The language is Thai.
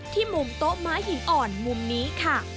มุมโต๊ะม้าหินอ่อนมุมนี้ค่ะ